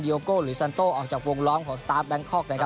ดิโยโก้หรือซันโตออกจากวงร้องของสตาร์ฟแบลงคอล์ก